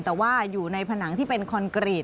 แต่ว่าอยู่ในผนังที่เป็นคอนกรีต